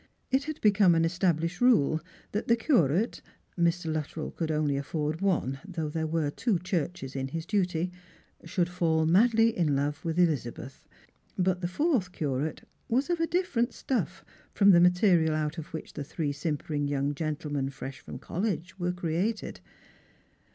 It had become an established rule that the curate — Mr. Luttrell could only afford one, though there were two churches in his duty — should fall madly in love with Elizabeth. But the fourth curate was of a different stuff from the material out of which the three sim pering young gentlemen fresh from college were created.